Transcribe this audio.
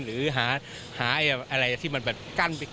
หรือหาอะไรที่มันกั้นเคบไปเลย